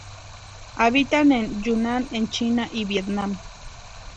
Habita en Yunnan en China y Vietnam.